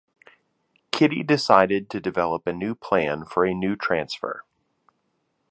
Kidde decided to develop a new plan for a new transfer.